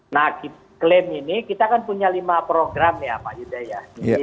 nah klaim ini kita kan punya lima program ya pak yuda ya